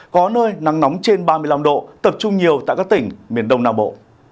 có nơi nắng nóng trên ba mươi năm độ tập trung nhiều tại các tỉnh miền đông nam bộ